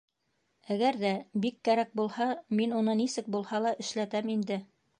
Әгәр ҙә бик кәрәк булһа, мин уны нисек булһа ла эшләтәм инде.